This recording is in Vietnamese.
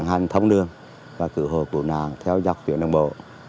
hành thống đường và cử hồ cử nàng theo dọc tuyển đường bộ